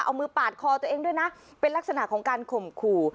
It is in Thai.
เอามือปาดคอตัวเองด้วยนะเป็นลักษณะของการข่มขู่